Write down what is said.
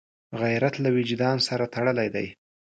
غیرت له وجدان سره تړلی دی